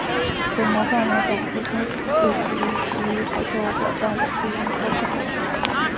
本模块还展示松鼠会及其合作伙伴的最新科普作品。